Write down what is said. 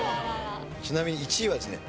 ちなみに１位はですね